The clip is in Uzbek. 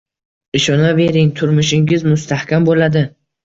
Ishonavering, turmushingiz mustahkam bo‘ladi.